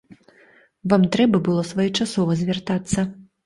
Вам трэба было своечасова звяртацца.